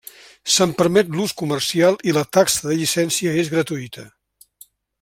Se'n permet l'ús comercial i la taxa de llicència és gratuïta.